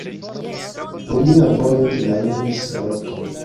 Romia vojo trairis la lokon.